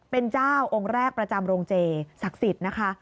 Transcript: เป็นเจ้าองค์แรกประจำโรงเจศักดิ์สิทธิ์นะคะ